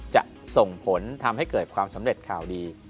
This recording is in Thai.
จะส่งผลทำให้เกิดความสำเร็จข่าวดี